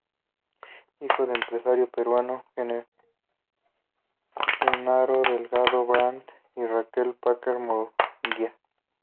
Hijo del empresario peruano Genaro Delgado Brandt y de Raquel Parker Murguía.